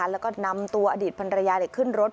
แล้วก็นำตัวอดีตพันรยาขึ้นรถ